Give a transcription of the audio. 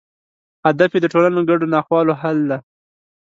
هدف یې د ټولنو ګډو ناخوالو حل دی.